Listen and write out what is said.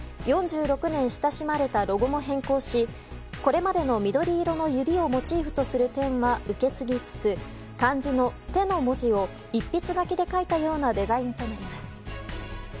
４６年親しまれたロゴも変更しこれまでの緑色の指をモチーフとする点は受け継ぎつつ漢字の「手」の文字を一筆書きで描いたようなデザインとなります。